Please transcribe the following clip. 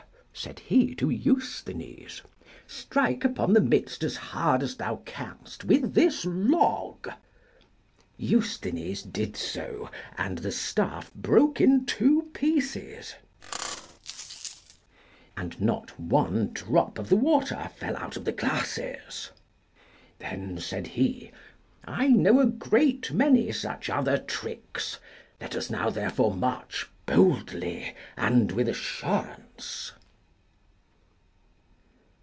said he to Eusthenes, strike upon the midst as hard as thou canst with this log. Eusthenes did so, and the staff broke in two pieces, and not one drop of the water fell out of the glasses. Then said he, I know a great many such other tricks; let us now therefore march boldly and with assurance.